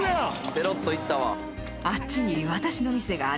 ペロっといったわ。